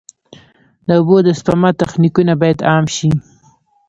د اوبو د سپما تخنیکونه باید عام شي.